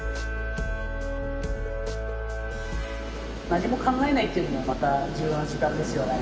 何も考えないっていうのもまた重要な時間ですよね。